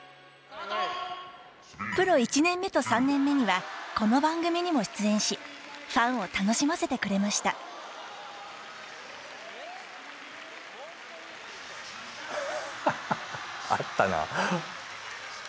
プロ１年目と３年目にはこの番組にも出演しファンを楽しませてくれましたハッハッハ。